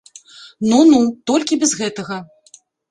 Ну, ну, толькі без гэтага!